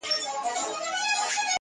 نور مي له ورځي څـخــه بـــد راځـــــــي,